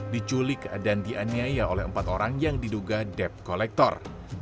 diculik dan dianiaya oleh empat orang yang diduga debt collector